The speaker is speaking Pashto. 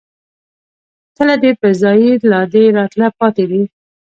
تله دې په ځائے، لا دې راتله پاتې دي